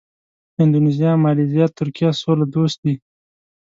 اندونیزیا، مالیزیا، ترکیه سوله دوست دي.